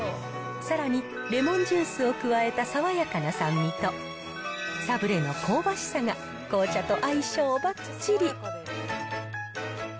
さらにレモンジュースを加えた爽やかな酸味と、サブレの香ばしさが紅茶と相性ばっちり。